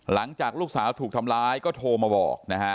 หลังจากลูกสาวถูกทำร้ายก็โทรมาบอกนะฮะ